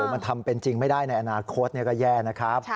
มันทำเป็นจริงไม่ได้ในอนาคตก็แย่นะครับ